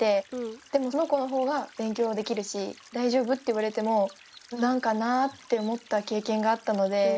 でもその子の方が勉強はできるし「大丈夫」って言われてもなんかなって思った経験があったので。